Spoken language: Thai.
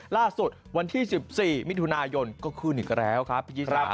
ล่าสุดวันที่๑๔มิถุนายนก็ขึ้นอีกแล้วครับ